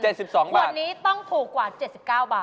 ๗๒เบอร์ครับขวดนี้ต้องถูกกว่า๗๙เบอร์ครับ